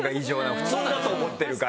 普通だと思ってるから。